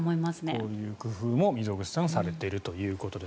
こういう工夫も溝口さんはされているということです。